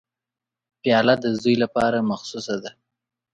پیاله د زوی لپاره مخصوصه ده.